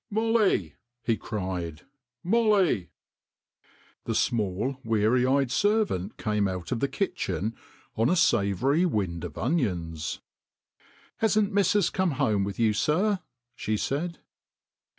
" Molly !" he cried, Molly !" The small, weary eyed servant came out of the kitchen on a savoury wind of onions. " Hasn't missus come home with you, sir ?" she said.